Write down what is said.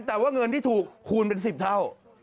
แต่ว่าเงินที่ถูกคูณเป็น๑๐เท่า